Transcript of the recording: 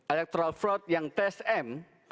electoral fraud yang tsm